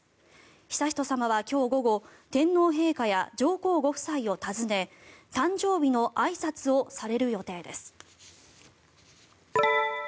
悠仁さまは今日午後天皇陛下や上皇ご夫妻を訪ね誕生日のあいさつをされる予定です。